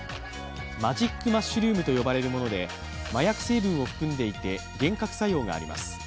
マジックマッシュルームと呼ばれるもので、麻薬成分を含んでいて幻覚作用があります。